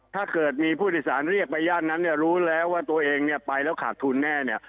ถ้าเกิดมีผู้โดยสารเรียกไปย่านนั้นเนี่ยรู้แล้วว่าตัวเองเนี่ยไปแล้วขาดทุนแน่เนี่ย